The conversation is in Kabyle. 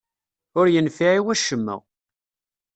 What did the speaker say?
Ur yenfiɛ i wacemma.